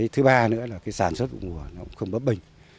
thứ ba nữa là sản xuất vụ mùa không bấp bình